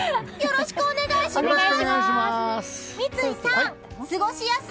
よろしくお願いします！